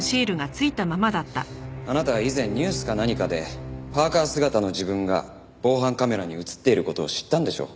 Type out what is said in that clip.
あなたは以前ニュースか何かでパーカ姿の自分が防犯カメラに映っている事を知ったんでしょう。